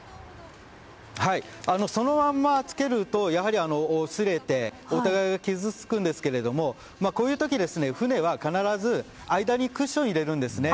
そのまんま付けると擦れてお互い傷つくんですがこういう時、船は必ず、間にクッションを入れるんですね。